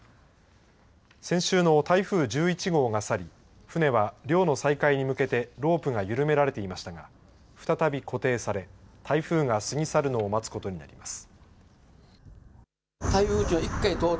先週の台風１１号が去り船は漁の再開に向けてロープが緩められていましたが再び固定され台風が過ぎ去るのを待つことになります。